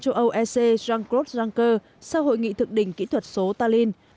chủ tịch eu ec jean claude juncker sau hội nghị thượng đỉnh kỹ thuật số tallinn